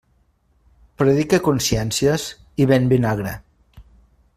Predica consciències i ven vinagre.